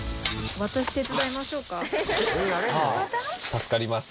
助かります。